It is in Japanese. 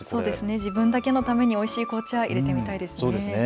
自分だけのためにおいしい紅茶入れてみたいですね。